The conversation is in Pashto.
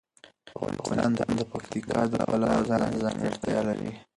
افغانستان د پکتیکا د پلوه ځانته ځانګړتیا لري.